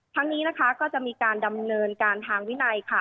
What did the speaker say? ทั้งนี้นะคะก็จะมีการดำเนินการทางวินัยค่ะ